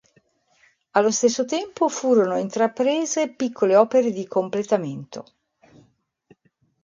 Allo stesso tempo furono intraprese piccole opere di completamento.